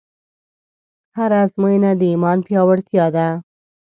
هره ازموینه د ایمان پیاوړتیا ده.